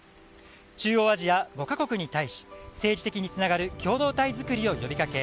中央アジア５か国に対し政治的につながる共同体づくりを呼びかけ